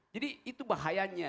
jadi itu bahayanya